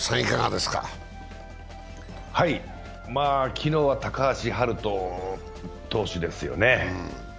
昨日は高橋遥人投手ですよね。